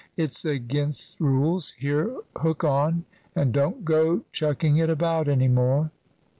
It's against rules. Here, hook on, and don't go chucking it about any more."